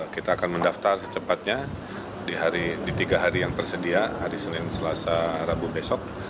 kita akan mendaftar secepatnya di tiga hari yang tersedia hari senin selasa rabu besok